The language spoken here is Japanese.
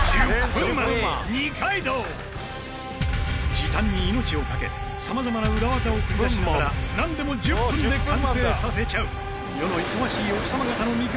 時短に命を懸けさまざまな裏技を繰り出しながらなんでも１０分で完成させちゃう世の忙しい奥様方の味方